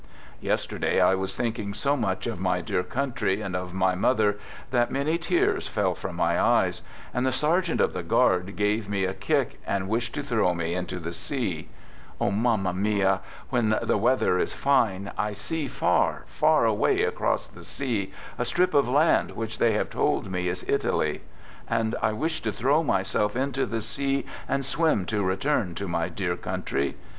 Yesterday I was thinking so much of my dear THE GOOD SOLDIER" n country and of my mother that many tears fell from my eyes, and the sergeant of the guard gave me a kick and wished to throw me into the sea. Oh, Mamma mia, when the weather is fine, I see far, far away across the sea, a strip of land which they have told me is Italy, and I wished to throw myself into the sea and swim to return to my dear country.